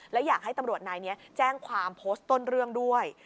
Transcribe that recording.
แล้วอยากให้ตำรวจนายนี้แจ้งความโพสต์ต้นเรื่องด้วย